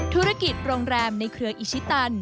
ธุรกิจโรงแรมในเครืออิชิตัน